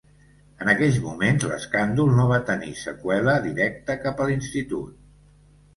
En aquells moments, l'escàndol no va tenir seqüela directa cap a l'Institut.